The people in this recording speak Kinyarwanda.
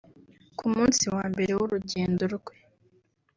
Ku munsi wa mbere w’urugendo rwe